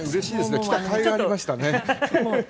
来たかいがありましたね。